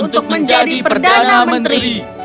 untuk menjadi perdana menteri